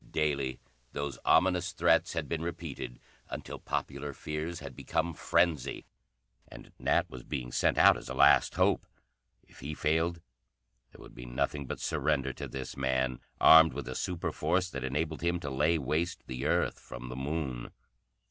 Daily those ominous threats had been repeated, until popular fears had become frenzy. And Nat was being sent out as a last hope. If he failed, there would be nothing but surrender to this man, armed with a super force that enabled him to lay waste the Earth from the Moon.